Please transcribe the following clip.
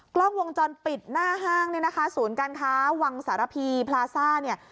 กล้องวงจรปิดหน้าห้างเนี่ยนะคะศูนย์การค้าวังสารพีพลาซ่าเนี่ย